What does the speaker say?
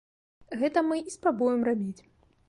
Гэта мы і спрабуем рабіць.